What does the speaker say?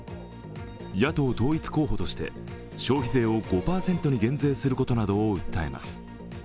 野党統一候補として消費税を５％に減税することなどを訴えます。